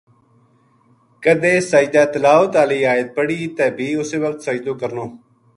کدے سجدہ تلاوت آلی ایت پڑھی تے بھی اسے وخت سجدو کرنو۔